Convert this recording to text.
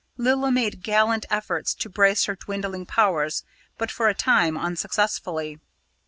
Lilla made gallant efforts to brace her dwindling powers, but for a time unsuccessfully.